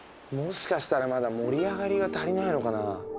もしかしたらまだ盛り上がりが足りないのかなぁ。